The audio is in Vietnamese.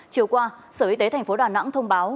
chiều qua sở y tế tp đà nẵng thông báo